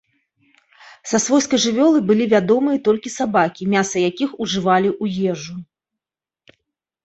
Са свойскай жывёлы былі вядомыя толькі сабакі, мяса якіх ужывалі ў ежу.